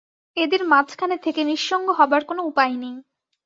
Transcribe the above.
এদের মাঝখানে থেকে নিঃসঙ্গ হবার কোনো উপায় নেই।